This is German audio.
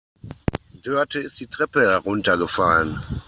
Dörte ist die Treppe heruntergefallen.